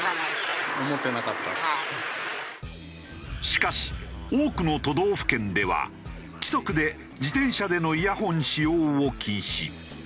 しかし多くの都道府県では規則で自転車でのイヤホン使用を禁止。